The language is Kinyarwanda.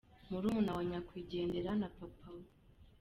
Murumuna wa Nyakwigendera na Papa we.